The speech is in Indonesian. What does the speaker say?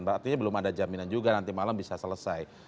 berarti belum ada jaminan juga nanti malam bisa selesai